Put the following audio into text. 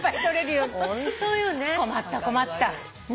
困った困った。